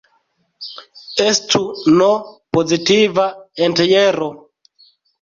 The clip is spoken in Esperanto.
Estu "n" pozitiva entjero.